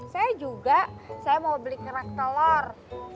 saya juga saya mau beli kerak telur